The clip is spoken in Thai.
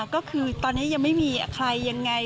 ก็คือตอนนี้ยังไม่มีใครยังไง